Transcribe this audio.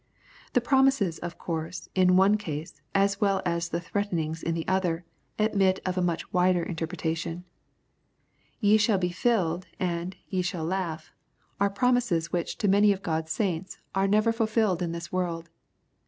The promises, of course, in one case, as well as the threaten ings in the other, admit of a much wider interpretation. " Ye shall be filled, ' and " ye shall laugh," are promises whi'^h to many 182 EXPOSITORY THOUGHTS, of Ghod^s saints are never fulfilled in tMs world.